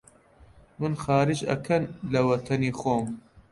من خارج ئەکەن لە وەتەنی خۆم!؟